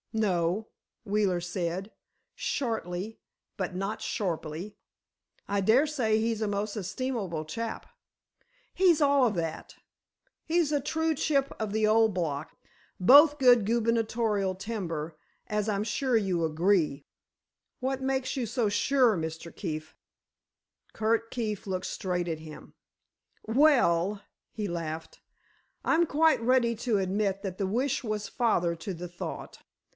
"No," Wheeler said, shortly but not sharply. "I daresay he's a most estimable chap." "He's all of that. He's a true chip of the old block. Both good gubernatorial timber, as I'm sure you agree." "What makes you so sure, Mr. Keefe?" Curt Keefe looked straight at him. "Well," he laughed, "I'm quite ready to admit that the wish was father to the thought."